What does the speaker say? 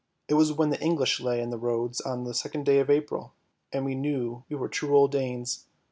It was when the English lay in the roads on the 2nd day of April, and we knew we were true old Danes.